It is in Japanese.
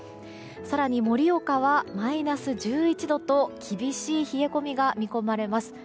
更に盛岡は、マイナス１１度と厳しい冷え込みが見込まれます。